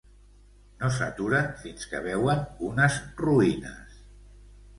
No s'aturen fins que veuen unes ruïnes.